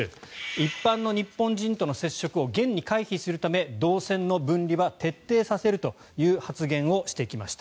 一般の日本人との接触を厳に回避するため動線の分離は徹底させるという発言をしてきました。